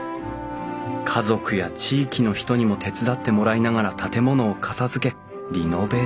家族や地域の人にも手伝ってもらいながら建物を片づけリノベーション。